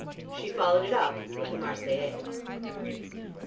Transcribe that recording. She followed it up with the "Marseillaise."